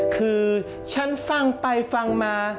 คือฉันฟังไปฟังมา